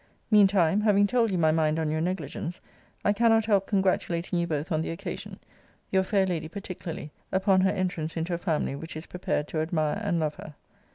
Mean time, having told you my mind on your negligence, I cannot help congratulating you both on the occasion. Your fair lady particularly, upon her entrance into a family which is prepared to admire and love her.